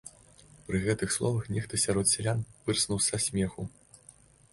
Пры гэтых словах нехта сярод сялян пырснуў са смеху.